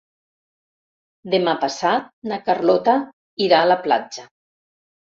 Demà passat na Carlota irà a la platja.